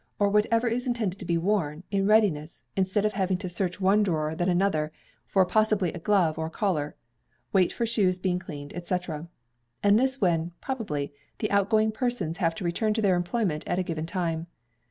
or whatever is intended to be worn, in readiness, instead of having to search one drawer, then another, for possibly a glove or collar wait for shoes being cleaned, &c. and this when (probably) the outgoing persons have to return to their employment at a given time.